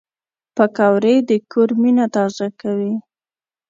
پکورې د کور مینه تازه کوي